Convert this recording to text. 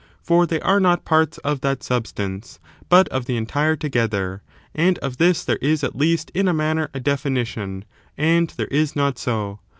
For they are not parts of that substance, but of the entire together ; and of this there is at least, in a manner, a defini tiouj and there is not so.